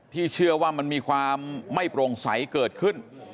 เชื่อว่ามันมีความไม่โปร่งใสเกิดขึ้น